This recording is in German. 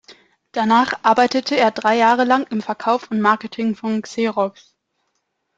Danach arbeitete er drei Jahre lang im Verkauf und Marketing von Xerox.